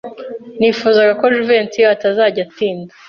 Nifuzaga ko Jivency atazajya atinda.